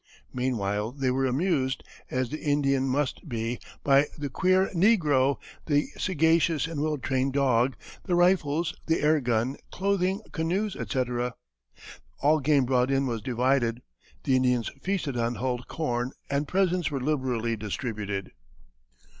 Meanwhile they were amused, as the Indian must be, by the queer negro, the sagacious and well trained dog, the rifles, the air gun, clothing, canoes, etc. All game brought in was divided; the Indians feasted on hulled corn, and presents were liberally distributed.